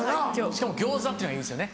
しかも餃子っていうのがいいですよね。